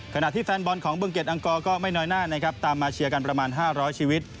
ขณะที่แฟนบอลของบึงเกียจอังกรก็ไม่น้อยหน้านะครับตามมาเชียร์กันประมาณ๕๐๐ชีวิต